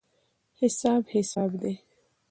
حساب حساب دی.